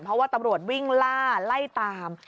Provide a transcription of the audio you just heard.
เพราะว่าตำรวจวิ่งล่าไล่ตาม